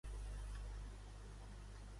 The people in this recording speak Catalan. Ha mostrat suport a Puidgdemont?